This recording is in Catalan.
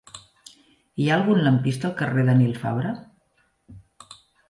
Hi ha algun lampista al carrer de Nil Fabra?